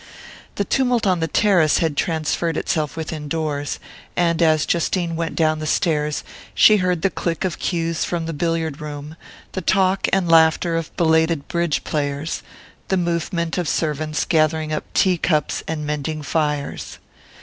The tumult on the terrace had transferred itself within doors, and as Justine went down the stairs she heard the click of cues from the billiard room, the talk and laughter of belated bridge players, the movement of servants gathering up tea cups and mending fires.